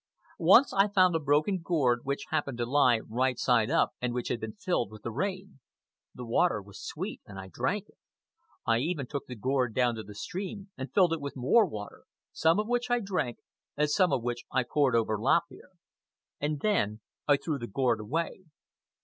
Once I found a broken gourd which happened to lie right side up and which had been filled with the rain. The water was sweet, and I drank it. I even took the gourd down to the stream and filled it with more water, some of which I drank and some of which I poured over Lop Ear. And then I threw the gourd away.